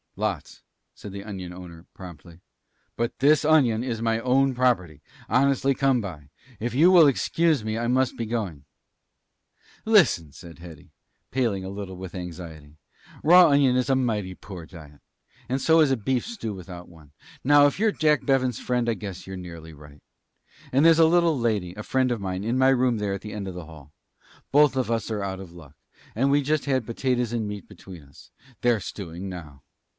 "Lots," said the onion owner, promptly. "But this onion is my own property, honestly come by. If you will excuse me, I must be going." "Listen," said Hetty, paling a little with anxiety. "Raw onion is a mighty poor diet. And so is a beef stew without one. Now, if you're Jack Bevens' friend, I guess you're nearly right. There's a little lady a friend of mine in my room there at the end of the hall. Both of us are out of luck; and we had just potatoes and meat between us. They're stewing now.